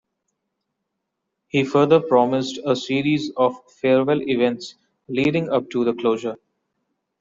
He further promised a series of farewell events leading up to the closure.